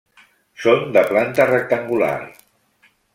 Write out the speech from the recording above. Són de planta rectangular.